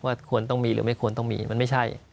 ควรต้องมีหรือไม่ควรต้องมีมันไม่ใช่